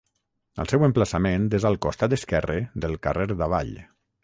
El seu emplaçament és al costat esquerre del carrer d'Avall.